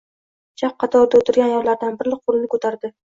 Chap qatorda o`tirgan ayollardan biri qo`lini ko`tardi